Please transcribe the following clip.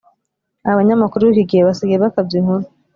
abanyamakuru bikigihe basigaye bakabya inkuru